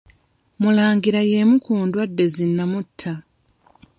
Mulangira y'emu ku ndwadde zi nnamutta.